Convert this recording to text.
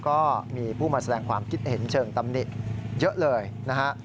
ก็มีผู้มาแสดงความคิดเห็นเชิงตำหนิเยอะเลยนะฮะ